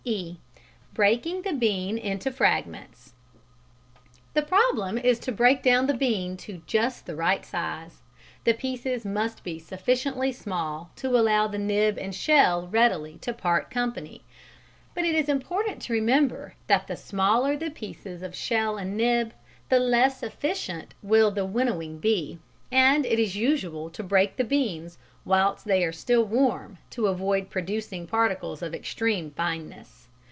(e) Breaking the Bean into Fragments. The problem is to break down the bean to just the right size. The pieces must be sufficiently small to allow the nib and shell readily to part company, but it is important to remember that the smaller the pieces of shell and nib, the less efficient will the winnowing be, and it is usual to break the beans whilst they are still warm to avoid producing particles of extreme fineness.